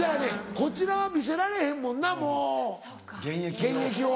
こちらは見せられへんもんなもう現役を。